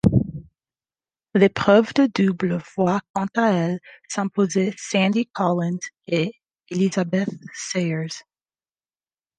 L'épreuve de double voit quant à elle s'imposer Sandy Collins et Elizabeth Sayers.